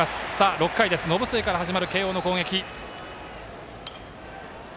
６回です、延末から始まる慶応の攻撃。